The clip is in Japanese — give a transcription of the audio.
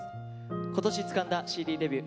今年つかんだＣＤデビュー。